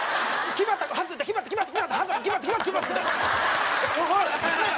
決まった外れた決まった決まった。